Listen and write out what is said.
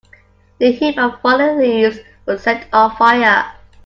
The heap of fallen leaves was set on fire.